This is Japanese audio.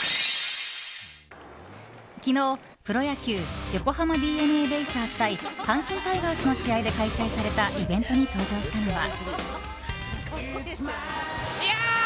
昨日、プロ野球横浜ＤｅＮＡベイスターズ対阪神タイガースの試合で開催されたイベントに登場したのは。